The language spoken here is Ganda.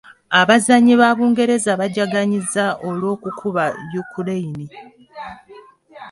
Abazanyi ba Bungereza bajaganyizza olw’okukuba Yukureyini.